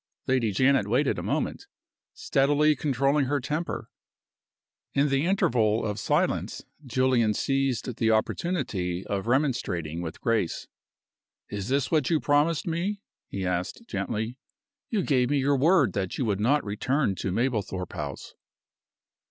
Lady Janet waited a moment steadily controlling her temper. In the interval of silence Julian seized the opportunity of remonstrating with Grace. "Is this what you promised me?" he asked, gently. "You gave me your word that you would not return to Mablethorpe House."